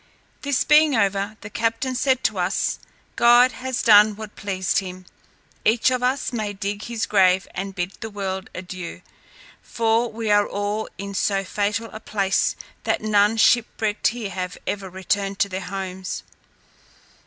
This being over, the captain said to us, "God has done what pleased him. Each of us may dig his grave, and bid the world adieu; for we are all in so fatal a place, that none shipwrecked here ever returned to their homes."